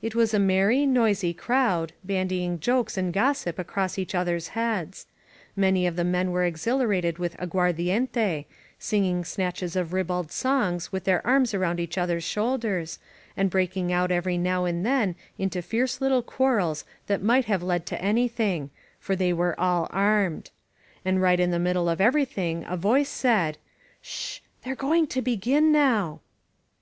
It was a merry, noisy crowd, bandying jokes and gossip across each others' heads. Many of the men were exhilarated with aguardientey singing snatches of ribald songs with their arms around each other's shoul ders, and breaking out every now and then into fierce little quarrels that might have led to anything — for they were all armed. And right in the middle of everything a voice said: "S s sh! They are going to begin now!"